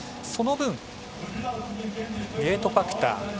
その分、ゲートファクター